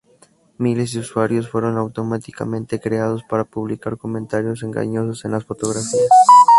Miles de usuarios fueron automáticamente creados para publicar comentarios engañosos en las fotografías.